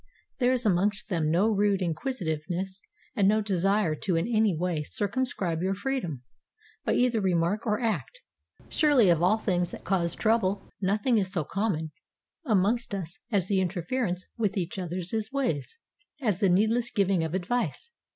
There is amongst them no rude inquisitiveness and no desire to in any way circumscribe your freedom, by either remark or act. Surely of all things that cause trouble, nothing is so common amongst us as the interference with each other's ways, as the needless giving of advice.